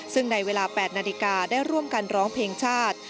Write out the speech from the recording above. ซึ่งในเวลา๘นาฬิกาได้ร่วมกันร้องเพลงชาติ